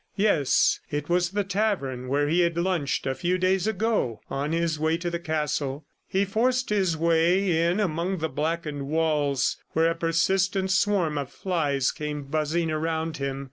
Yes, it was the tavern where he had lunched a few days ago on his way to the castle. He forced his way in among the blackened walls where a persistent swarm of flies came buzzing around him.